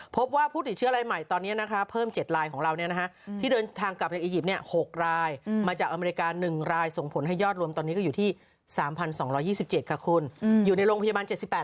พบว่าผู้ติดเชื้ออะไรใหม่ตอนนี้เพิ่ม๗ลายของเรานะครับ